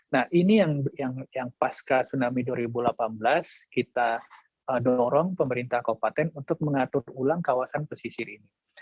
nah ini yang pasca tsunami dua ribu delapan belas kita dorong pemerintah kabupaten untuk mengatur ulang kawasan pesisir ini